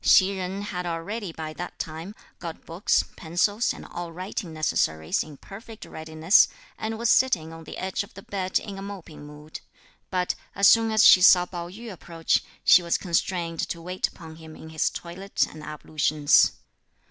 Hsi Jen had already by that time got books, pencils and all writing necessaries in perfect readiness, and was sitting on the edge of the bed in a moping mood; but as soon as she saw Pao yü approach, she was constrained to wait upon him in his toilette and ablutions.